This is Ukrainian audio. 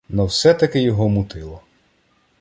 Но все-таки його мутило